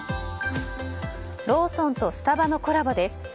ローソンとスタバのコラボです。